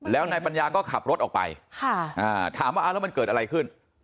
แล้วนายปัญญาก็ขับรถออกไปถามว่าแล้วมันเกิดอะไรขึ้น